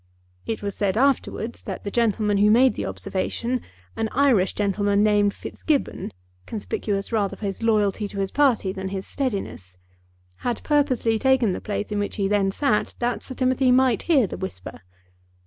It was said afterwards that the gentleman who made the observation, an Irish gentleman named Fitzgibbon, conspicuous rather for his loyalty to his party than his steadiness, had purposely taken the place in which he then sat, that Sir Timothy might hear the whisper.